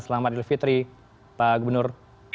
selamat ilfitri pak gubernur